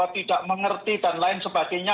tidak mengerti dan lain sebagainya